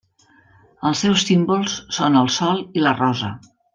Els seus símbols són el sol i la rosa.